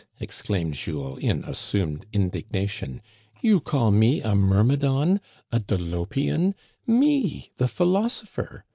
exclaimed Jules, in assumed indig nation ;" you call me a Myrmidon, a Dolopian — me, the philosopher